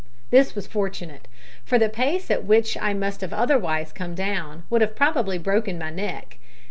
This was fortunate, for the pace at which I must have otherwise come down would have probably broken my neck.